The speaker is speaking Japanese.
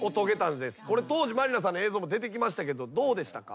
これ当時満里奈さんの映像も出てきましたけどどうでしたか？